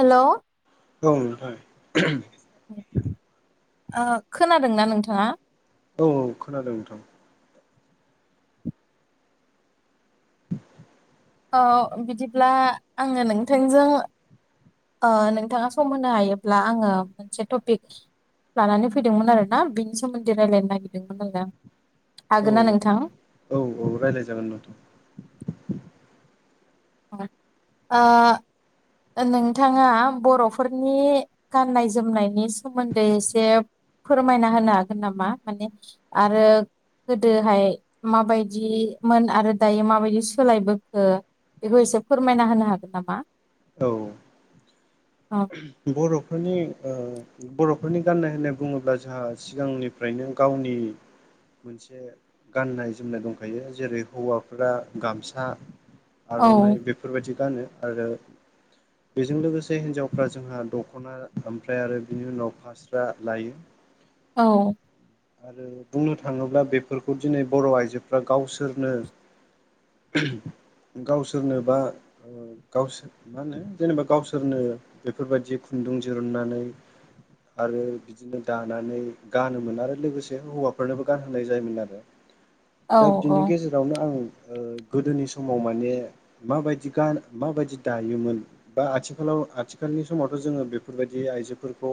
हेल' औ नोंथां ओ खोनादोंना नोंथाङा औ -औ खोनादों नोंथां औ बिदिब्ला आङो नोंथांजों ओ नोंथाङा सम होनो हायोब्ला आङो मोनसे टपिक लानानै फैदोंमोन आरोना बिनि सोमोन्दै रायलायनो नागिरदोंमोन आरोना हागोनना औ नोंथां औ औ रायलायजागोन नथ' आ ओ नोंथाङा बरफोरनि गाननाय - जोमनायनि सोमोन्दै एसे फोरमायना होनो हागोन नामा माने आरो गोदोहाय माबायदिमोन आरो दायो माबायदि सोलायबोखो बेखौ एसे फोरमायना होनो हागोन नामा औ अह बर'फोरनि ओ बर'फोरनि गाननाय होननाय बुङोब्ला जोंहा सिगांनिफ्रायनो गावनि नि मोनसे गाननाय - जोमनाय दंखायो जेरै हौवाफोरा गामसा औ आर'नाइ बेफोरबायदि गानो आरो बेजों लोगोसे हिनजाव फ्रा जोंहा दखना ओमफ्राय आरो बिनि उनाव फास्रा लायो औ आरो बुंनो थाङोब्ला बेफोरखौ दिनै बर' आइजोफ्रा गावसोरनो [unintelligible] गावसोरनो बा ओ गावसो मा होनो जेनेबा गावसोरनो बेफोरबायदि खुन्दुं दिरुननानै आरो बिदिनो दानानै गानोमोन आरो लोगोसे हौवाफोरनोबो गानहोनाय जायोमोन आरो औ दा औ बिनि गेजेरावनो आं ओ गोदोनि समाव माने माबायदि गान माबायदि दायोमोन बा आथिखालाव आथिखालनि समावथ' जोङो बेफोरबायदि आइजोफोरखौ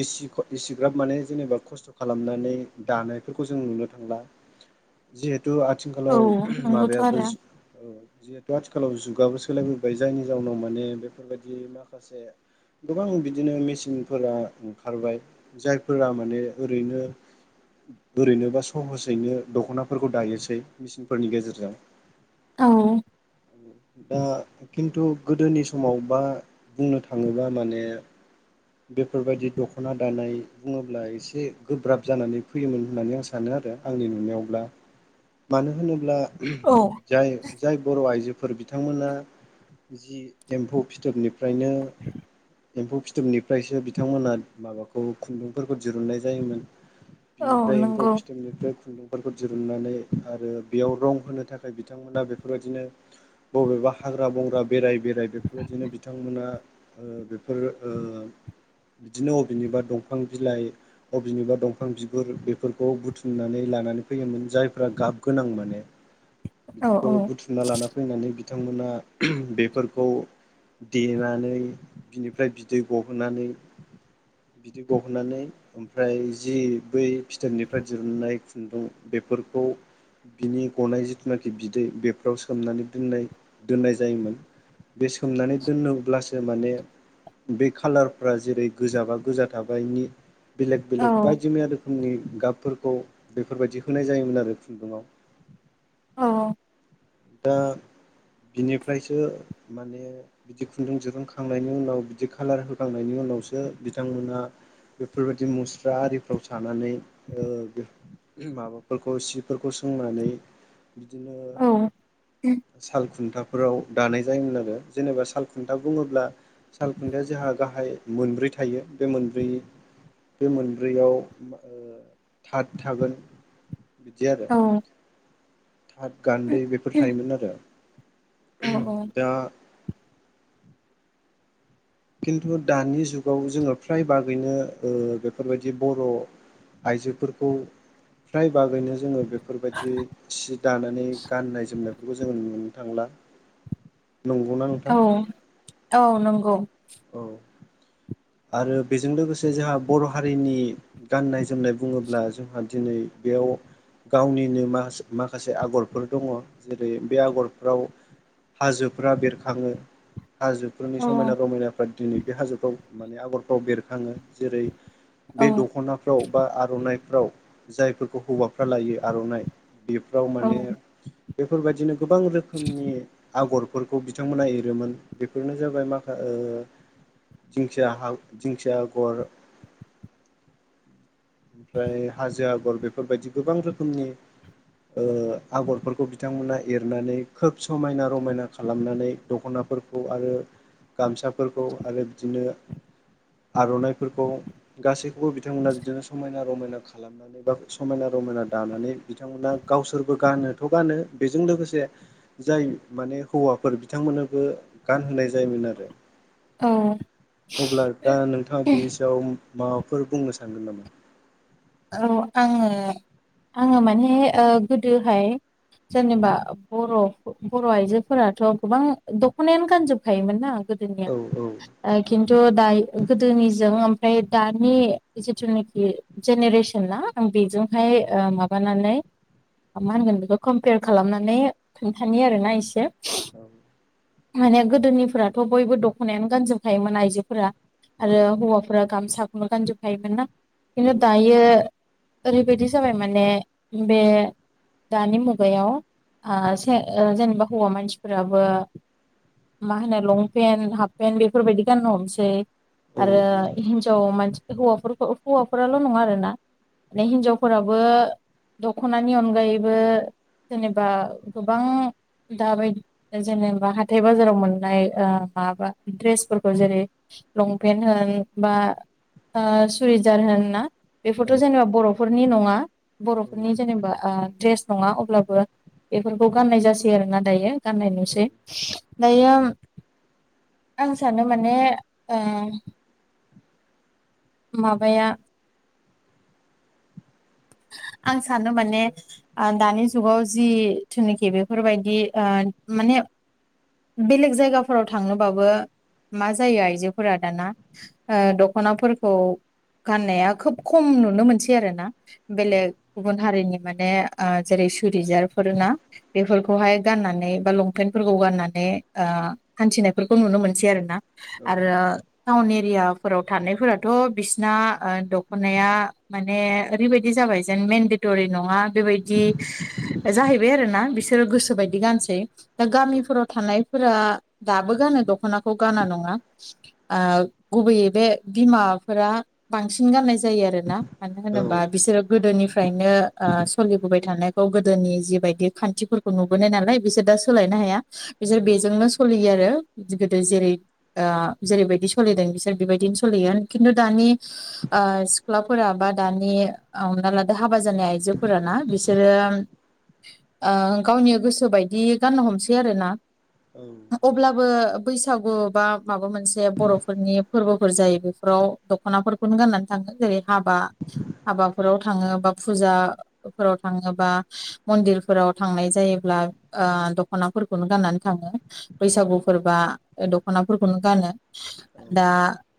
एसि एसिग्राब माने जेनेबा खस्थ' खालामनानै दानायफोरखौ जों नुनो थांला जिहेथु औ आथिखालाव नंगौथ' माबायाबो आरो जि ओ जिहेथु आथिखालाव जुग खुगाबो सोलायबोबाय जायनि जाउनाव माने बेफोरबायदि माखासे गोबां बिदिनो मेचिनफोरा ओंखारबाय जायफोरा माने ओरैनो ओरैनो बा सहसयैनो दख'नाफोरखौ दायोसै मेचिनफोरनि गेजेरजों औ दा खिन्थु गोदोनि समाव बा बुंनो थाङोबा माने बेफोरबायदि दख'ना दानाय बुङोब्ला एसे गोब्राब जानानै फैयोमोन होननानै आं सानो आर रो आंनि नुनायावब्ला मानो होनोब्ला औ जाय जाय बर' आइजो फोर बिथांमोना जि एम्फौ फिथोबनिफ्रायनो एम्फौ फिथोबनिफ्रायसो बिथांमोना माबाखौ खुन्दुंफोरखौ दिरुननाय जायोमोन औ बिनिफ्राय एम्फौ नंगौ फिथोबनिफ्राय खुन्दुं फोरखौ दिरुननानै आरो बेयाव रं होनो थाखाय बिथांमोना बेफोरबायदिनो बबेबा हाग्रा बंग्रा बेराय बेराय बेफोरबायदिनो बिथांमोना ओ बेफोर ओ [unintelligible] बिदिनो अबेनिबा दंफां बिलाइ अबेनिबा दंफां बिगुर बेफोरखौ बुथुमनानै लानानै नै फैयोमोन जायफ्रा गाब गोनां माने औ बिदिखौ औ बुथुमना लाना फैनानै बिथांमोना बेफोरखौ देनानै बिनिफ्राय बिदै गब बोनानै बिदि गहोनानै ओमफ्राय जि बै फिथोबनिफ्राय दिरुननाय खुन्दुं बे बेफोरखौ बिनि गनाय जिथुनाखि बिदै बेफोराव सोमनानै दोननाय दोननाय जायोमोन बे सोमनानै दोनोब्लासो माने बे खाालारफ्रा जेरै गोजाबा गोजा थाबाय नि बेलेग औ बेलेग बायदि मैया रोखोमनि गाब फोर खौ बेफोरबायदि होनाय जायोमोन आरो खुन्दुंआव औ औ दा बिनिफ्रायसो माने बिदि खुन्दुं दिरुंखांनायनि उनाव बिदि खालार होखांनायनि उन उनावसो बिथांमोनहा बेफोरबायदि मुस्रा आरिफ्राव सानानै ओ बे माबाफोरखौ सिफोरखौ सोंनानै बिदिनो औ साल खुन्थाफो राव दानाय जायोमोन आरो जेनेबा सालखुन्था बुङोब्ला सालखुन्थाया जोहा गाहाय मोनब्रै थायो बे मोनब्रै बे मोनब्रैयाव ओ थाथ थागोन बिदि आरो औ थाथ गान्दै बे फोर थायोमोन आरो दा खिन्थु दानि जुगाव जोङो फ्राय बागैनो ओ बेफोरबायदि बर' आइजोफोरखौ फ्राय बागैनो जोङो बे फोरबायदि सि दानानै गाननाय जोमनायफोरखौ जोङो नुनो थांला नंगौना औ नोंथां? औ नंगौ औ आरो बेजों लोगोसे जोहा बर' हारिनि गाननाय जोमनाय बुङोब्ला जोंहा दिनै बेयाव गावनिनो माहासे माखासे आगरफोर दङ जेरै बे आगरफ्राव हाजोफ्रा बेरखाङो हाजोफोरनि औ समायना रमायनाफ्रा दिनै बे हाजोफ्राव माने आगरफ्राव बेरखाङो जेरै औ बे दख'नाफ्राव बा आर'नाइ फ्राव जायफोरखौ हौवाफ्रा लायो आर'नाइ बेफ्राव औ माने बेफोरबायदिनो गोबां रोखोमनि आगरफोरखौ बिथांमोना एरोमोन बेफोरनो जाबाय माखा ओ ओ [unintelligible] जिंखिया हा जिंखिया आगर ओमफ्राय हाजो आगर बेफोरबायदि गोबां रोखोमनि ओ आगरफोरखौ बिथांमोना एरनानै खोब समायना रमायना खालामनानै दख'ना फोरखौ आरो गामसाफोरखौ आरो बिदिनो आर'नाइफोरखौ गासैखौबो बिथांमोना बिदिनो समायना रमायना खालामनानै बा समायना रमायना दानानै बिथांमोना गावसोरबो गानोथ' गानो बेजों लोगोसे जाय माने हौवाफोर बिथांमोननोबो गानहोनाय जायोमोन आरो औ अब्ला दा नोंथाङा बिनि सायाव माबाफोर बुंनो सानदों नामा औ आङो आङो माने ओ गोदोहाय जेनेबा बर' बर' आइजोफोराथ' गोबां दख'नायानो गानजोबखायोमोन ना गोदोनिया औ ओ खिन्थु दायो गोदोनिजों ओमफ्राय दानि जिथुनाखि जेनेरेसन ना आं बेजोंहाय ओ माबानानै मा होनगोन बेखौ कमपेयार खालामनानै खोन्थानि आरोना एसे औ माने गोदोनिफ्राथ' बयबो दख'नायानो गानजोबखायोमोन आइजोफोरा औ आरो हौवाफोरा गामसाखौनो गानजोबफायोमोन ना किन्थु ओरैबायदि जाबाय माने बे दानि मुगायाव आ ओ जेनेबा हौवा मानसिफोराबो माहोनो लंपेन्ट हाफ पेन्ट बेफोरबायदि गाननो हमसै औ आरो नंगौ हिनजाव मानसि हौवाफोरखौ हौवाफोराल' नङा आरोना माने हिनजावफोराबो दख'नानि अनगायैबो जेनेबा गोबां दाबायदि जेनेबा हाथाय बाजाराव मोननाय ओ माबा दड्रेसफोरखौ जेरै लंपेन्ट होन बा ओ सुइजार होन ना औ नंगौ औ बेफोरथ' जेनेबा बर'फोरनि नङा बर'फोरनि जेनेबा ओ द्रेस ना नङा अब्लाबो बेफोरखौ गाननाय जासै आरोना दायो गाननाय नुसै दायो आं सानो माने ओ माबाया [unintelligible] आं सानो माने आ दानि जुगाव जिथुनाखि बेफोरबायदि माने बेलेग जायगाफोराव थांनोबाबो मा जायो आइजोफोरा दाना ओ दख'नाफोरखौ गाननाया खोब खम नुनो मोनसै आरोना बेलेग गुबुन हारिनि माने आ जेरै सुरिजारफोर ना बेफोरखौहाय गाननानै बा लंपेन गाननानै आ हान्थिनायफोरखौ नुनो मोनसै आरोना आरो टाउन एरियाफोराव थानायफोराथ' बिसिना दखनाया माने ओरैबायदि बिदि जाबाय जेन मेेनडेट'रि नङा बेबायदि जाहैबाय आरो ना बिसोरो गोसोबायदि गानसै दा गामिफोराव थानायफोरा दाबो गानो दख'नाखौ गानना नङा आ गुबैयै बे बिमाफोरा बांसिन गाननाय जायो आरोना औ मानो होनोबा बिसोरो गोदोनिफ्रायनो सोलिबोबाय थानायखौ गोदोनि जिबायदि खान्थिफोरखौ नुबोनाय नालाय बिसोर दा सोलायनो हाया बिसोर बेजोंनो सलियो आरो गोदो जेरै आ जेरैबायदि सलि दों बिसोर बेबायदिनो सलिगोन खिन्थु दानि आ सिख्लाफोरा बा दानि औ हमना लादो हाबा जानाय आइजोफोराना बिसोरो ओ गावनि गोसो बायदि गाननो हमसै आरोना अब्लाबो बैसाग गु बा माबा मोनसे बर'फोरनि फोरबोफोर जायो बेफोराव दख'नाफोरखौनो गाननानै थागोन जेरै हाबा हाबा फोराव थाङो बा फुजा फोराव थाङो बा मन्दिरफोराव थांनाय जायोब्ला ओ दख'नाफोरखौनो गाननानै थाङो बैसागुफोरबा दख'नाफोरखौनो गानो। दा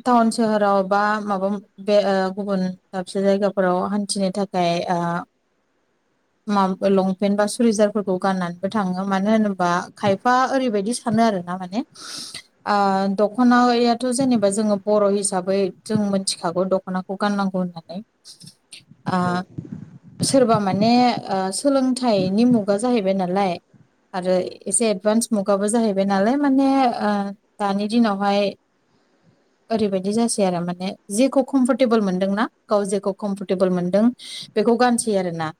टाउन सोहोराव बा माबा बे ओ गुबुन दाबसे जायगा फोराव हान्थिनो थाखाय ओ मा लंपेन्ट बा सुरिजारफोरखौ गाननानैबो थाङो मानो होनोबा खायफा ओरैबायदि सानो आरो माने दख'नायथ' जेनेबा जोङो बर' हिसाबै जों मोनथि खागौ दख'नाखौ गाननांगौ होननानै ओ सोरबा माने ओ सोलोंथाइनि मुगा जाहैबाय नालाय आरो एसे एडभान्स मुगाबो जाहैबाय नालाय माने ओ दानि दिनावहाय ओरैबायदि जासै आरो माने जेखौ कम्फर्टेबोल मोनदोंना गाव जेखौ कम्फर्टेबोल मोनदों बेखौ गानसै आरोना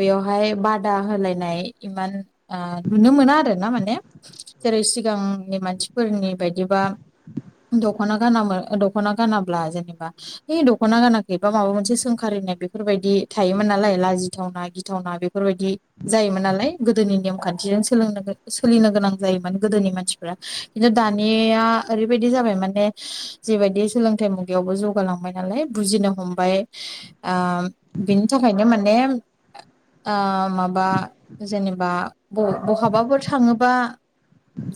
बेयावहाय बा बादा होलायनाय इमान ओह नुनो मोना आरो ना माने औ जेरै सिगांनि मान सिफोरनि बायदिबा दख'ना गानामोन दख'ना गानाब्ला जेनेबा दख'ना गाना एबा माबा मोनसे सोंखारिनाय बेफोरबायदि थायोमोन नालाय लाजिथावना गिथावना बेफोरबायदि जायो मोननालाय गोदोनि नेम खान्थिजों सोलों सोलिनो गोनां जायोमोन गोदोनि मानसिफ्रा [unintelligible] औ दानिया ओरैबायदि जाबाय माने जेबायदि सोलोंथाइ मुगायावबो जौगालांबाय नालाय बुजिनो हमबाय ओह बिनि थाखायनो माने ओ माबा जेनेबा बहाबाफोर थाङोबा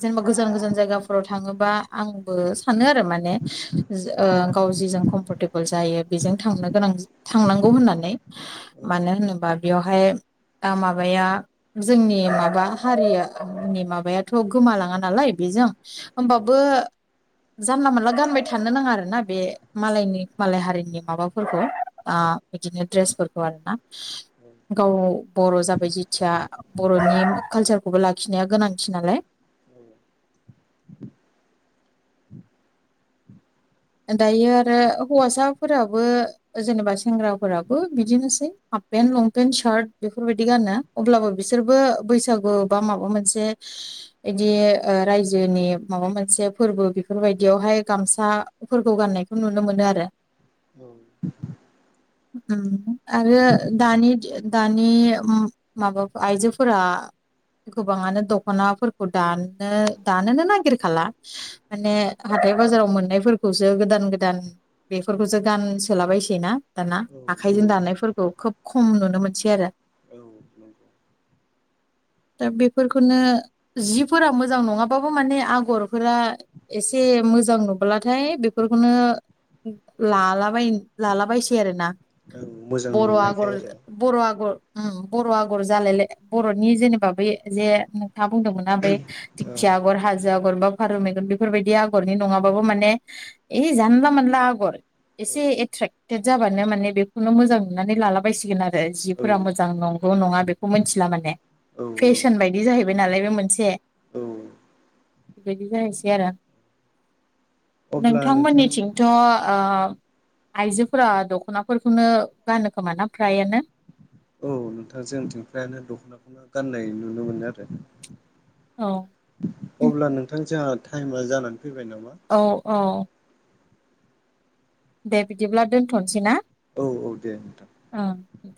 जेनेबा गोजान गोजान जायगाफोराव थाङोबा आंबो सानो आरो माने ओ जिजों कम्फेर्टेल जायो बेजों थांनो गोनां थांनांगौ होननानै औ मानो होनोबा बेयावहाय ओ माबाया जोंनि माबा हारियानि माबायाथ' गोमालाङा नालाय बेजों होमबाबो जानला मोनला गानबाय थानो नाङा आरो ना बे मालायनि मालाय हारिनि माबाफोरखौ ओ बिदिनो दड्रेसफोरखौ आरोना। गाव बर' जाबाय जेथिया बर' बर'नि काल्चारखौबो लाखिनाया गोनांथि नालाय। [inaudible] दायो आरो हौवासाफोराबो जेनेबा सेंग्राफोराबो बिदिनोसै हाफ पेन्ट लंपेन्ट सार्ट बेफोरबायदि गानो अब्लाबो बिसोरबो बैसागु बा माबा मोनसे बिदि ओ रायजोनि माबा मोनसे फोरबो बेफोर बायदियावहाय गामसा फोरखौ गान्नायखौ नुनो मोनो आरो। ओम आरो दानि दानि ओम माबा आइजोफोरा गोबाङानो दख'नाफोरखौ दानो दानोनो नागिरखाला माने हा थाइ बाजाराव मोननायफोरखौसो गोदान गोदान बेफोरखौसो गानसोलाबायसै ना। दाना आखाइजों दानायफोरखौ खोब खम नुनो मोनसै आरो। [inaudible] दा बेफोरखौनो जिफोरा मोजां नङाबाबो माने आगरफोरा एसे मोजां नुबोला थाय बेफोरखौनो लालाबाय लालाबायसै आरो ना। मोजां बर' आगर नुनायखाय आरो बर' आगर ओम बर' आगर जालायलाय बर'नि जेनेबा बै जे नोंथाङा बुंदोंमोना बै औ दिंखिया आगर हाजो आगर बा फारौ मेगन बेफोरबायदि आगरनि नङाबाबो माने ओइ जानला मोनला आगर एसे एट्रेक्टेद जाबानो माने बेखौनो मोजां नुनानै लाला बायसिगोन आरो औ जिफोरा मोजां नंगौ नङा बेखौ मिथिला माने। औ फेशन बायदि जाहैबाय नालाय बे मोनसे औ बेबायदि जाहसै आरो। अब्ला नोंथां नोंथांमोननिथिंथ' ओ आइजोफोरा दखनाफोरखौनो गानो खोमा ना फ्रायानो। औ नोंथां जोंथिंफ्रायानो दखनाखौनो गाननाय नुनो मोनो आरो औ अब्ला नोंथां जोहा टाइमा जानानै फैबाय नामा औ औ दे बिदिब्ला दोनथनोसै ना? औ औ दे नोंथां ओं दे